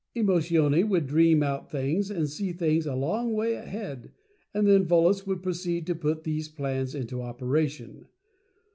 Emotione would dream out things, and see things a long way ahead, and then Volos would proceed to put these plans into operation.